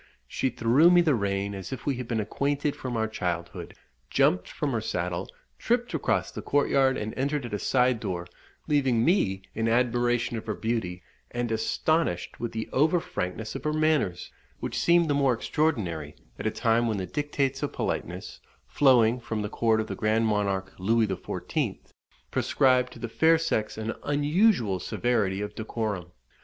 She threw me the rein as if we had been acquainted from our childhood, jumped from her saddle, tripped across the courtyard, and entered at a side door, leaving me in admiration of her beauty, and astonished with the over frankness of her manners, which seemed the more extraordinary at a time when the dictates of politeness, flowing from the court of the Grand Monarque Louis XIV., prescribed to the fair sex an unusual severity of decorum.